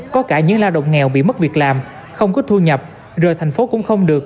có cả những lao động nghèo bị mất việc làm không có thu nhập rồi thành phố cũng không được